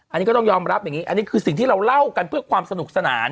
อันนี้ก็ต้องยอมรับอย่างนี้อันนี้คือสิ่งที่เราเล่ากันเพื่อความสนุกสนาน